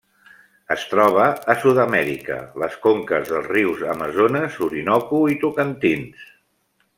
Es troba a Sud-amèrica: les conques dels rius Amazones, Orinoco i Tocantins.